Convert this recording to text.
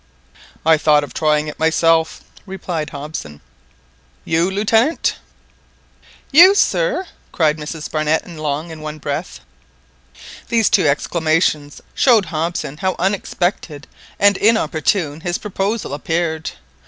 "I thought of trying it myself," replied Hobson. "You, Lieutenant!" "You, sir!" cried Mrs Barnett and Long in one breath. These two exclamations showed Hobson how unexpected and inopportune his proposal appeared.